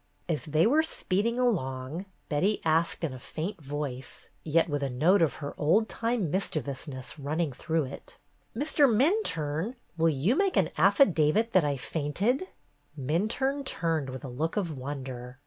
As they were speeding along, Betty asked in a faint voice, yet with a note of her old time mischievousness running through it : "Mr. Minturne, will you make an affadavit that I fainted ?" Minturne turned with a look of wonder.